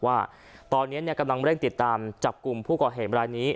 ว่าตอนนี้กำลังเร่งติดตามจับกลุ่มผู้ก่อเหตุรายนี้